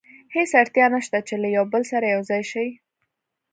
هېڅ اړتیا نه شته چې له یو بل سره یو ځای شي.